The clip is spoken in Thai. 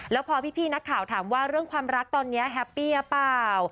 แล้วพอพี่นักข่าวถามว่าเรื่องความรักตอนนี้แฮปปี้หรือเปล่า